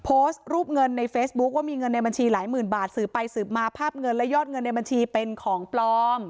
โพสต์รูปเงินในเฟซบุ๊คว่ามีเงินในบัญชีหลายหมื่นบาทสืบไปสืบมาภาพเงินและยอดเงินในบัญชีเป็นของปลอม